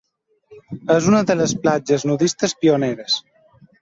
És una de les platges nudistes pioneres.